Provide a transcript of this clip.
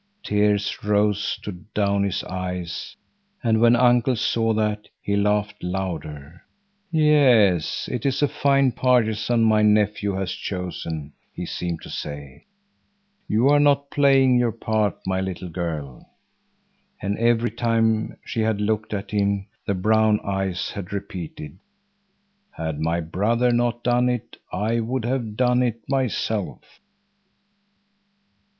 Tears rose to Downie's eyes, and when Uncle saw that he laughed louder. "Yes, it is a fine partisan my nephew has chosen," he seemed to say, "You are not playing your part, my little girl." And every time she had looked at him the brown eyes had repeated: "Had my brother not done it, I would have done it myself."